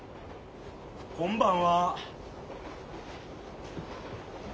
こんばんは。